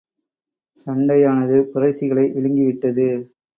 சண்டையானது குறைஷிகளை விழுங்கி விட்டது.